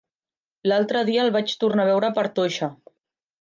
L'altre dia el vaig veure per Toixa.